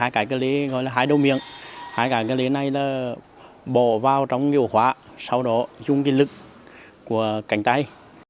hai cái cơ lê gọi là hai đầu miệng hai cái cơ lê này là bỏ vào trong cái ổ khóa sau đó dùng cái lực của cánh tay